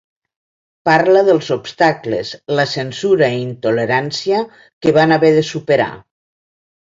Parla dels obstacles, la censura i intolerància que van haver de superar.